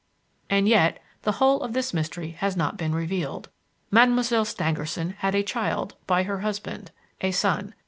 And yet the whole of this mystery has not been revealed. Mademoiselle Stangerson had a child, by her husband, a son.